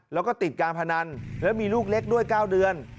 แล้วก็ติดการพนันแล้วมีลูกเล็กด้วย๙เดือน